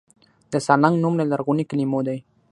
د سالنګ نوم له لرغونو کلمو دی